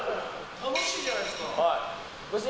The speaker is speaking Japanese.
楽しいじゃないですか。